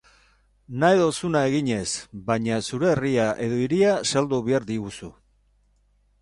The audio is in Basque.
Nahi duzuna eginez, baina zure herria edo hiria saldu behar diguzu.